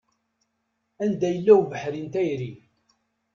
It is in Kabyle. Anda yella ubeḥri n tayri.